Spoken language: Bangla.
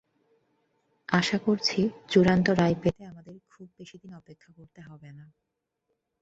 আশা করছি, চূড়ান্ত রায় পেতে আমাদের খুব বেশিদিন অপেক্ষা করতে হবে না।